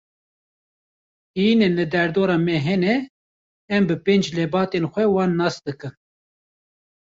Heyînên li derdora me hene, em bi pênc lebatên xwe wan nas dikin.